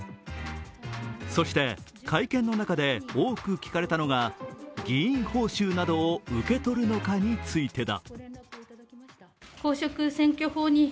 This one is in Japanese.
そして、会見の中で多く聞かれたのが議員報酬などを受け取るのかについてだ。